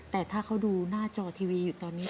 แต่ถ้าเขาดูหน้าจอทีวีอยู่ตอนนี้